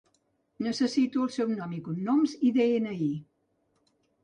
Necessito el seu nom i cognoms i de-ena-i.